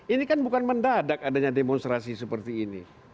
ini kan bukan mendadak adanya demonstrasi seperti ini